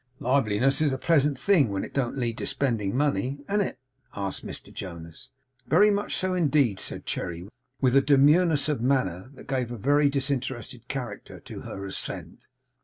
'Liveliness is a pleasant thing when it don't lead to spending money. An't it?' asked Mr Jonas. 'Very much so, indeed,' said Cherry, with a demureness of manner that gave a very disinterested character to her assent.